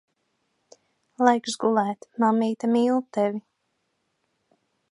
Laiks gulēt. Mammīte mīl tevi.